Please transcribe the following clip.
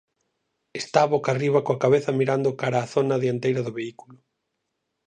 Está boca arriba coa cabeza mirando cara á zona dianteira do vehículo.